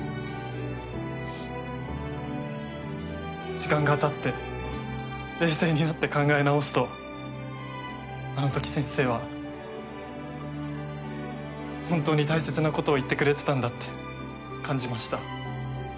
・時間がたって冷静になって考え直すとあのとき先生は本当に大切なことを言ってくれてたんだって感じました。